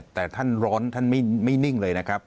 แต่ท่านร้อนท่านไม่นิ่งเลยนะครับ